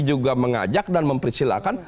juga mengajak dan mempersilahkan